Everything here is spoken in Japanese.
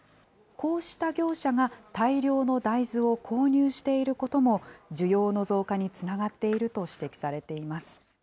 こうした業者が大量の大豆を購入していることも、需要の増加につながっていると指摘されています。